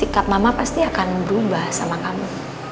sikap mama pasti akan berubah sama kamu